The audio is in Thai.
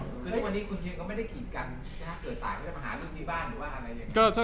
คือที่วันนี้คุณเฮียก็ไม่ได้กรีดกันถ้าเกิดตายไม่ได้มาหาลูกที่บ้านหรือว่าอะไรอย่างนั้น